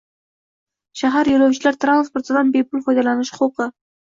Shahar yo‘lovchilar transportidan bepul foydalanish huquqi